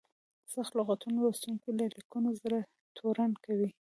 سخت لغتونه لوستونکي له لیکنو زړه تورن کوي.